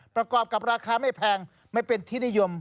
ประกอบกับราคาไม่แพงไม่เป็นที่นิยม